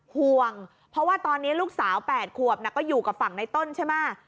ห่วงเพราะว่าตอนนี้ลูกสาว๘ขวบก็อยู่กับฝั่งในต้นใช่ไหม